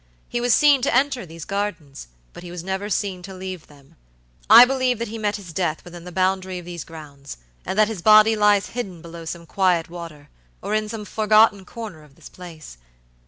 He was seen to enter these gardens, but he was never seen to leave them. I believe that he met his death within the boundary of these grounds; and that his body lies hidden below some quiet water, or in some forgotten corner of this place.